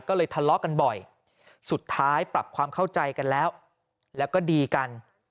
ก็เลยทะเลาะกันบ่อยสุดท้ายปรับความเข้าใจกันแล้วแล้วก็ดีกัน